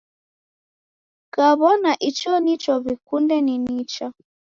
Kaw'ona icho nicho w'ikunde ni nicha.